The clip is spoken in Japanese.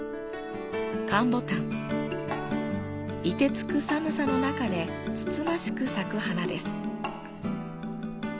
寒牡丹、凍てつく寒さの中でつつましく咲く花です。